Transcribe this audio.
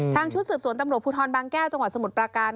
ชุดสืบสวนตำรวจภูทรบางแก้วจังหวัดสมุทรปราการ